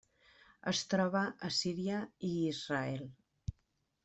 Es troba a Síria i Israel.